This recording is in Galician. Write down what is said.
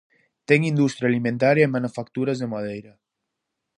Ten industria alimentaria e manufacturas de madeira.